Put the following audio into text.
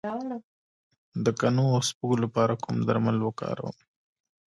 د کنو او سپږو لپاره کوم درمل وکاروم؟